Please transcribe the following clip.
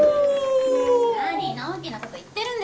何のんきなこと言ってるんですか。